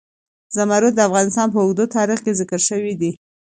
زمرد د افغانستان په اوږده تاریخ کې ذکر شوی دی.